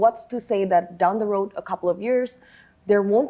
walaupun kami harus ingat bahwa ai dibesarkan untuk belajar dan berkembang